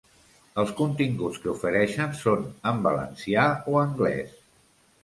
Els continguts que ofereixen són en valencià o anglés.